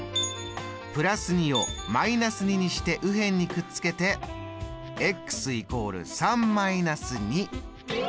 ＋２を−２にして右辺にくっつけて＝３−２。